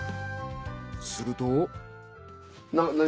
すると。